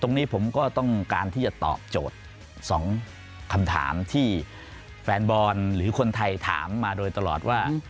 ตรงนี้ผมก็ต้องการที่จะตอบโจทย์๒คำถามที่แฟนบอลหรือคนไทยถามมาโดยตลอดว่า